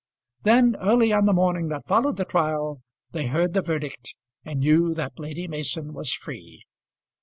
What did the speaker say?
Then, early on the morning that followed the trial, they heard the verdict and knew that Lady Mason was free.